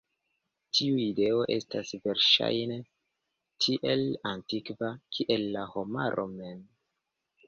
Tiu ideo estas, verŝajne, tiel antikva, kiel la homaro mem.